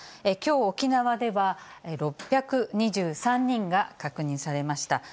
きょう、沖縄では６２３人が確認されました。